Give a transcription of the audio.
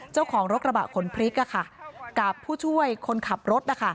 เจ้าของรถกระบะขนพริกกับผู้ช่วยคนขับรถนะคะ